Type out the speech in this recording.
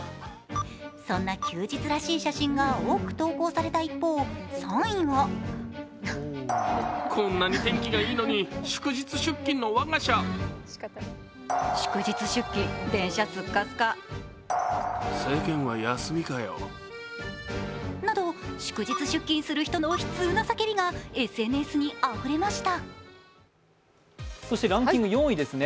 そんな休日らしい写真が多く投稿された一方、３位はなど祝日出勤する人の悲痛な叫びがＳＮＳにあふれましたるランキング４位です。